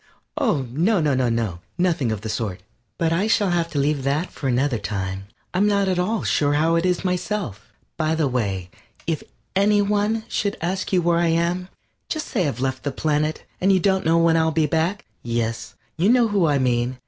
Oh, no, no, no, nothing of the sort. But I shall have to leave that for another time. I'm not at all sure how it is myself. By the way, if any one should ask you where I am, just say I've left the planet, and you don't know when I shall be back. Yes, you know who I mean.